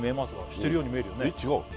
してるように見えるよねえっ違うの？